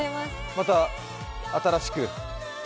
また新しく。